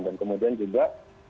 dan kemudian juga